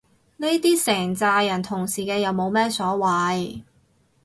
呢啲成咋人同時嘅又冇乜所謂